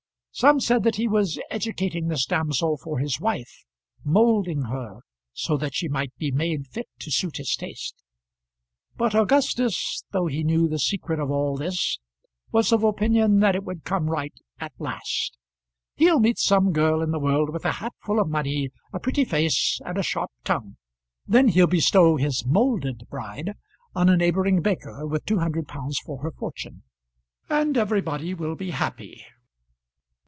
Some said that he was educating this damsel for his wife, moulding her, so that she might be made fit to suit his taste; but Augustus, though he knew the secret of all this, was of opinion that it would come right at last. "He'll meet some girl in the world with a hatful of money, a pretty face, and a sharp tongue; then he'll bestow his moulded bride on a neighbouring baker with two hundred pounds for her fortune; and everybody will be happy."